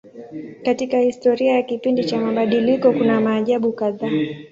Katika historia ya kipindi cha mabadiliko kuna maajabu kadhaa.